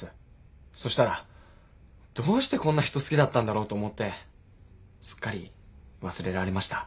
そしたらどうしてこんな人好きだったんだろうと思ってすっかり忘れられました。